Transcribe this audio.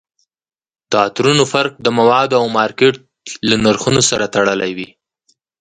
د عطرونو فرق د موادو او مارکیټ له نرخونو سره تړلی وي